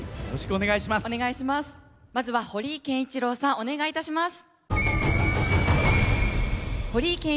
お願いします。